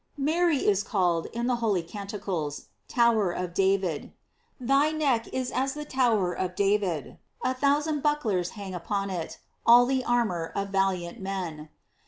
Mary is called, in the holy Canticles, Tower of David : "Thy neck is as the tower of David ; a thousand bucklers hang upon it, all the armor of valiant men."